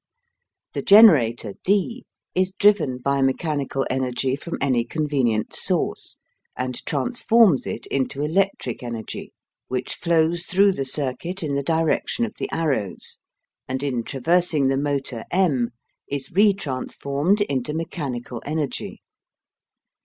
The generator D is driven by mechanical energy from any convenient source, and transforms it into electric energy, which flows through the circuit in the direction of the arrows, and, in traversing the motor M, is re transformed into mechanical energy.